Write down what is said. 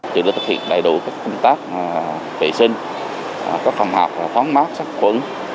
chị đã thực hiện đầy đủ các công tác vệ sinh các phòng học toán mát sát quấn